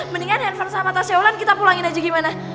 mendingan handphone sama tasnya ulan kita pulangin aja gimana